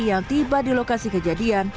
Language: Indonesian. yang tiba di lokasi kejadian